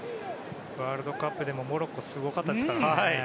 ワールドカップでもモロッコ、すごかったですから。